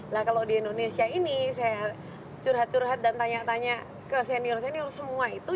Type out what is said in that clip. nah kalau di indonesia ini saya curhat curhat dan tanya tanya ke senior senior semua itu